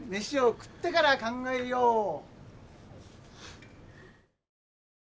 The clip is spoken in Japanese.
飯を食ってから考えよう。